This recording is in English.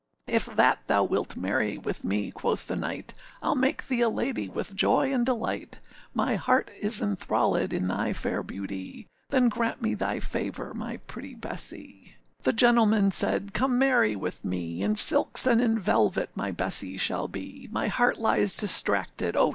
âIf that thou wilt marry with me,â quoth the knight, âIâll make thee a lady with joy and delight; My heart is enthrallèd in thy fair beauty, Then grant me thy favour, my pretty Bessee.â The gentleman said, âCome marry with me, In silks and in velvet my Bessee shall be; My heart lies distracted, oh!